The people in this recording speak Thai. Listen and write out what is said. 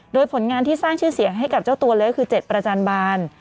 โดยผลงานที่สร้างชื่อเสียงให้กับเจ้าตัวเลยก็คือ๗ประจันบาล